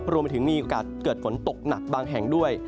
รวมไปถึงมีโอกาสเกิดฝนตกหนักบางแห่งด้วย